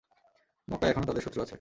মক্কায় এখনও তাদের শত্রু আছে।